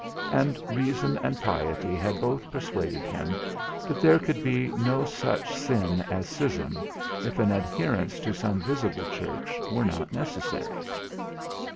And reason and piety had both persuaded him that there could be no such sin as schism, if an adherence to some visible Church were not necessary.